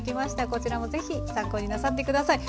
こちらもぜひ参考になさって下さい。